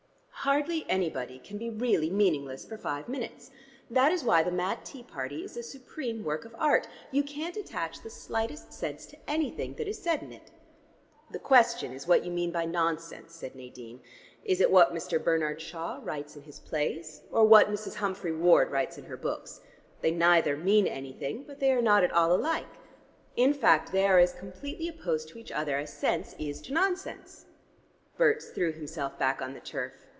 Hardly anybody can be really meaningless for five minutes. That is why the Mad Tea Party is a supreme work of art: you can't attach the slightest sense to anything that is said in it." "The question is what you mean by nonsense," said Nadine. "Is it what Mr. Bernard Shaw writes in his plays, or what Mrs. Humphry Ward writes in her books? They neither mean anything but they are not at all alike. In fact they are as completely opposed to each other as sense is to nonsense." Berts threw himself back on the turf.